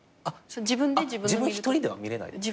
あっ自分一人では見れない？